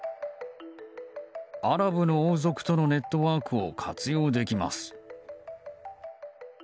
アラブの王族とのネットワークを活用できます。